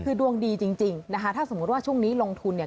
คือดวงดีจริงนะคะถ้าสมมุติว่าช่วงนี้ลงทุนเนี่ย